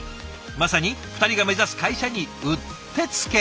まさに２人が目指す会社にうってつけ。